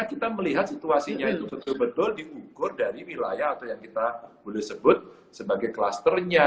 kita melihat situasinya itu betul betul diukur dari wilayah atau yang kita boleh sebut sebagai klusternya